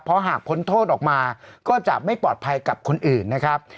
เพราะหากพ้นโทษออกมาก็จะไม่ปลอดภัยกับคนอื่นนะครับ